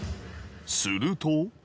すると。